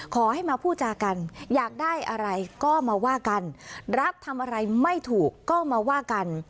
ขอให้มาพูดจากันอยากได้อะไรก็มาว่ากันรับทำอะไรไม่ถูกก็มาว่ากัน